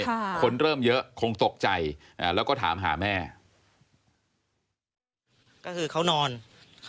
ตกลงไปจากรถไฟได้ยังไงสอบถามแล้วแต่ลูกชายก็ยังไง